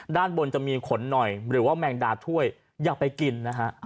ด้านบนจะมีขนหน่อยหรือว่าแมงดาถ้วยอย่าไปกินนะฮะ